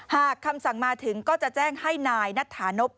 หากคำสั่งมาถึงก็จะแจ้งให้นายนัทธานพ